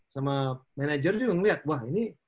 sama manajer juga ngelihat wah ini